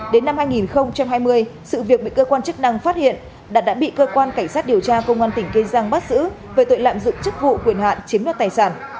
đến năm hai nghìn hai mươi sự việc bị cơ quan chức năng phát hiện đạt đã bị cơ quan cảnh sát điều tra công an tỉnh kê giang bắt giữ về tội lạm dụng chức vụ quyền hạn chiếm đoạt tài sản